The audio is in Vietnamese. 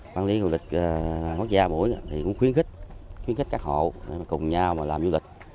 bán lý du lịch quốc gia mũi cũng khuyến khích các hộ cùng nhau làm du lịch